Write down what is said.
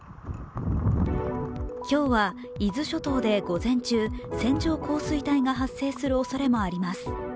今日は伊豆諸島で午前中、線状降水帯が発生するおそれもあります。